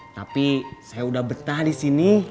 tapi saya udah betah di sini